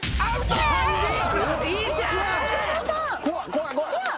怖い怖い。